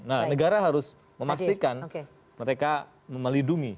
nah negara harus memastikan mereka melindungi